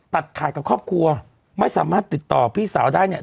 ตัดขาดกับครอบครัวไม่สามารถติดต่อพี่สาวได้เนี่ย